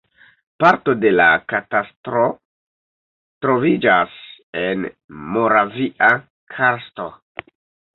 Parto de la katastro troviĝas en Moravia karsto.